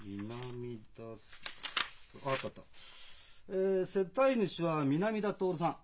え世帯主は南田徹さん。